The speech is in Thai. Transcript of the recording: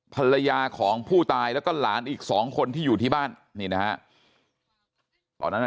ภรรยาของผู้ตายแล้วก็หลานอีก๒คนที่อยู่ที่บ้านนี่นะครับ